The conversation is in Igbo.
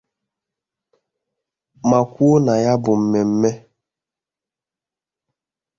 ma kwuo na ya bụ mmemme